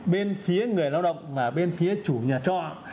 bên phía người lao động và bên phía chủ nhà trọ